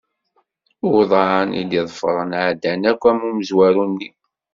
Uḍan i d-iḍefren ɛeddan akk am umezwaru-nni.